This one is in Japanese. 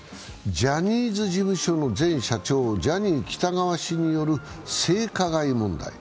ジャニーズ事務所の前社長ジャニー喜多川氏による性加害問題。